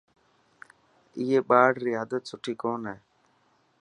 اي ٻاڙري عادت سٺي ڪون هي.